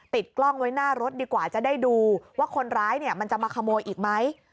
ติดกล้องไว้หน้ารถดีกว่าจะได้ดูว่าคนร้ายเนี่ยมันจะมาขโมยอีกไหม